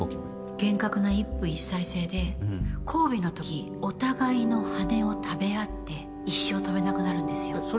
厳格な一夫一妻制で交尾の時お互いの羽を食べ合って一生飛べなくなるんですよ。